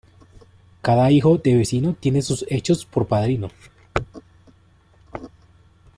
Cada hijo de vecino tiene sus hechos por padrino.